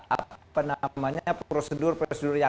apa namanya prosedur prosedur yang